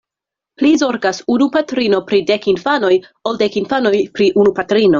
Pli zorgas unu patrino pri dek infanoj, ol dek infanoj pri unu patrino.